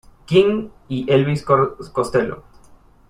King y Elvis Costello.